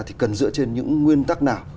thì cần dựa trên những nguyên tắc nào